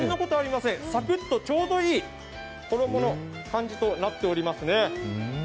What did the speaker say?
サクッとちょうどいい衣の感じとなっておりますね。